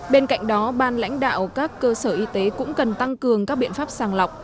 bên cạnh đó ban lãnh đạo các cơ sở y tế cũng cần tăng cường các biện pháp sàng lọc